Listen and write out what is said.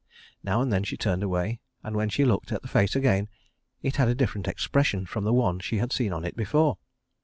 Now and then she turned away, and when she looked at the face again, it had a different expression from the one she had seen on it before.